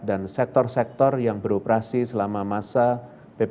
dan sektor sektor yang beroperasi selama masa ppkm mikro